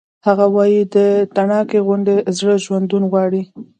هغه وایی د تڼاکې غوندې زړه ژوندون غواړي